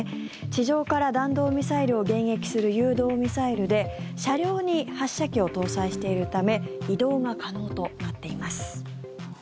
地上から弾道ミサイルを迎撃する誘導ミサイルで車両に発射機を搭載しているため移動が可能となっています。